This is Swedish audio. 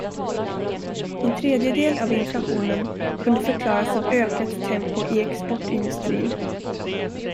En tredjedel av inflationen kunde förklaras av ökat tempo i exportindustrin.